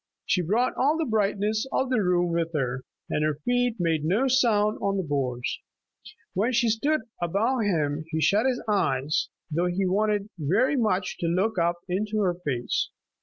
She brought all the brightness of the room with her, and her feet made no sound on the boards. When she stood above him he shut his eyes, though he wanted very much to look up into her face.